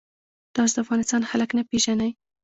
تاسو د افغانستان خلک نه پیژنئ.